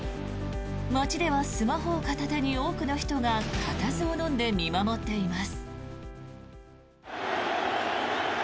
街ではスマホを片手に多くの人がかたずをのんで見守っています。